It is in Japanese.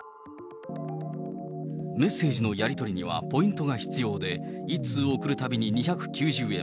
メッセージのやり取りにはポイントが必要で、１通送るたびに２９０円。